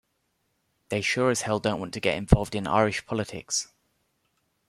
They sure as hell don't want to get involved in Irish politics.